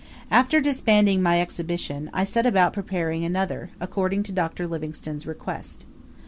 After disbanding my Expedition, I set about preparing another, according to Dr. Livingstone's request.